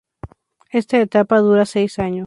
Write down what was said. Esta etapa dura seis años.